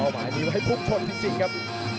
เอาหมายมีไว้พุกชนจริงครับ